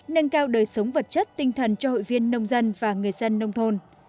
nâng cao đời sống vật chất tinh thần cho hội viên nông dân và người dân nông thôn